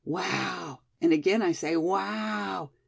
"Wow! and again I say, wow!